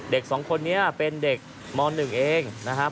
เด็ก๒คนนี้เป็นเด็กม๑เองนะครับ